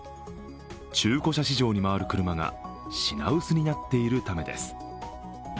中古車市場に回る車が品薄になっているためです。